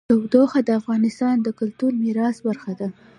تودوخه د افغانستان د کلتوري میراث برخه ده.